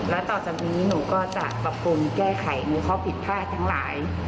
และต่อจากนี้หนูก็จะปรับปรุงแก้ไขในข้อผิดพลาดทั้งหลาย